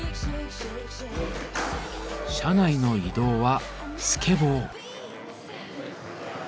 車内の移動はスケボー。